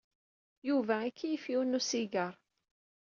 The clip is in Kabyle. Yuba ikeyyef yiwen n usigaṛ.